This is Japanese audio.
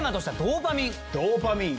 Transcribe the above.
ドーパミン。